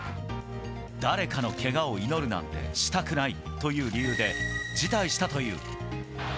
誰かのけがを祈るなんてしたくないという理由で、辞退したという。